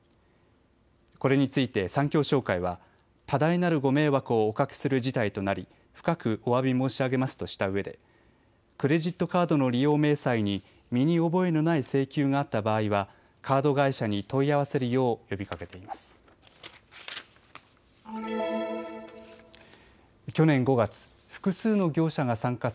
これについて三京商会は多大なるご迷惑をおかけする事態となり深くおわび申し上げますとしたうえでクレジットカードの利用明細に身に覚えのない請求があった場合はカード会社に問い合わせるよう呼びかけています。